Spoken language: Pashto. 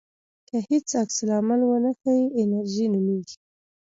که هیڅ عکس العمل ونه ښیې انېرژي نومېږي.